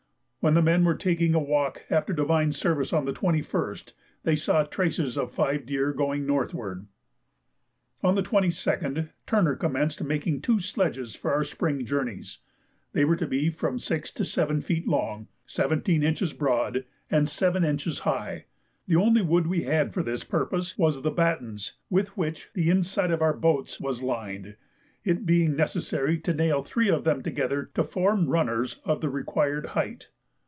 When the men were taking a walk after divine service on the 21st, they saw the traces of five deer going northward. On the 22nd Turner commenced making two sledges for our spring journeys. They were to be from 6 to 7 feet long, 17 inches broad, and 7 inches high. The only wood we had for this purpose was the battens with which the inside of our boats was lined, it being necessary to nail three of them together to form runners of the required height.